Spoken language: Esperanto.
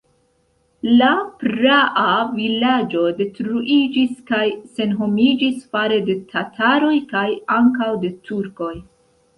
La praa vilaĝo detruiĝis kaj senhomiĝis fare de tataroj kaj ankaŭ de turkoj.